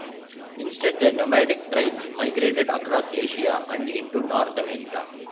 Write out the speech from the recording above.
Instead, the nomadic tribes migrated across Asia and into North America.